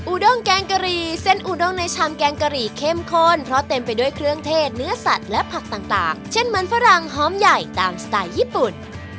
ดงแกงกะหรี่เส้นอูด้งในชามแกงกะหรี่เข้มข้นเพราะเต็มไปด้วยเครื่องเทศเนื้อสัตว์และผักต่างเช่นมันฝรั่งหอมใหญ่ตามสไตล์ญี่ปุ่น